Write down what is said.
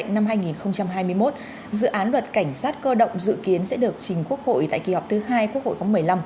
năm hai nghìn hai mươi một dự án luật cảnh sát cơ động dự kiến sẽ được trình quốc hội tại kỳ họp thứ hai quốc hội khóa một mươi năm